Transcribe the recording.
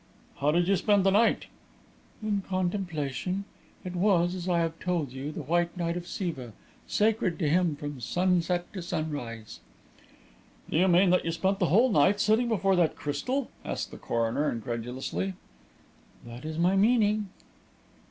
"How did you spend the night?" "In contemplation. It was, as I have told you, the White Night of Siva, sacred to him from sunset to sunrise." "Do you mean that you spent the whole night sitting before that crystal?" asked the coroner, incredulously. "That is my meaning."